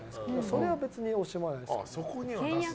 それは別に惜しまないですけど。